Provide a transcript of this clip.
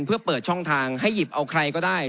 เพื่อเปิดช่องทางให้หยิบเอาใครก็ได้